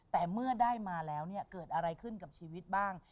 แต่เมื่อได้มาแล้วเนี่ยเกิดอะไรขึ้นกับชีวิตบ้าง